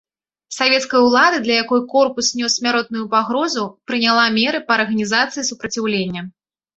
Савецкая ўлада, для якой корпус нёс смяротную пагрозу, прыняла меры па арганізацыі супраціўлення.